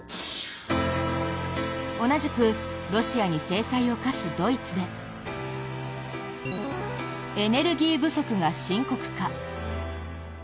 同じくロシアに制裁を科すドイツでエネルギー不足が深刻化。